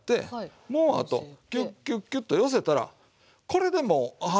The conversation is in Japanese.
もうあとキュッキュッキュと寄せたらこれでもうおはぎの出来上がり。